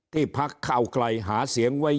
ที่พักเก้าไกลหาเสียงไว้เยอะ